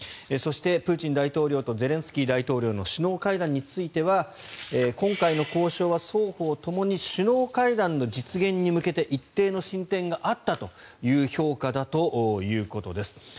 そして、プーチン大統領とゼレンスキー大統領の首脳会談については今回の交渉は双方ともに首脳会談の実現に向けて一定の進展があったという評価だということです。